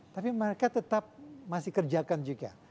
tapi mereka tetap masih kerjakan juga